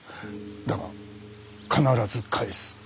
だが必ず返す。